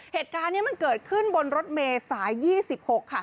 เหตุการณ์เนี้ยมันเกิดขึ้นบนรถเมย์สายยี่สิบหกค่ะ